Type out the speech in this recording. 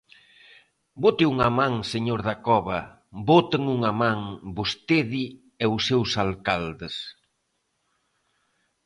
Bote unha man, señor Dacova, ¡boten unha man, vostede e os seus alcaldes!